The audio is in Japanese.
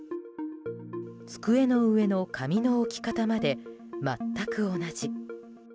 机の上の紙の置き方まで全く同じ。